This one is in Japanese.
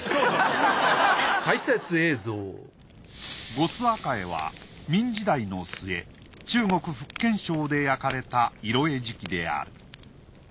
呉州赤絵は明時代の末中国福建省で焼かれた色絵磁器である。